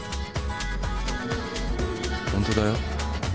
本当だよ。